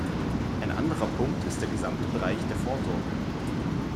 Ein anderer Punkt ist der gesamte Bereich der Vorsorge.